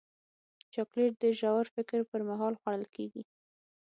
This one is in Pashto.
چاکلېټ د ژور فکر پر مهال خوړل کېږي.